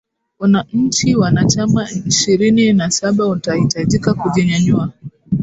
una nchi wanachama ishirini na saba utahitajika kujinyanyua